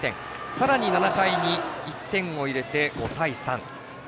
さらに７回に１点を入れて５対３。